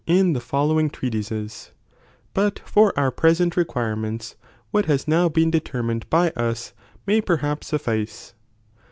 in the following treatises, but for our present requirements what has now been determined by us may per a t?m gp^.'*' ^*P« suffice.